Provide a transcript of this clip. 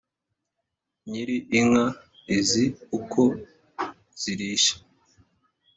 nyiri inka izi uko zirisha